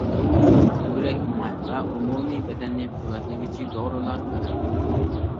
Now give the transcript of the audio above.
يۈرەك، مېڭە ۋە ئومۇمىي بەدەننى قۇۋۋەتلىگۈچى دورىلار بېرىلىدۇ.